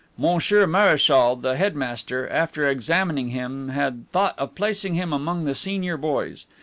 Monsieur Mareschal, the headmaster, after examining him, had thought of placing him among the senior boys.